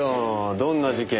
どんな事件？